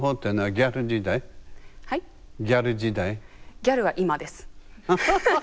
ギャルは今です。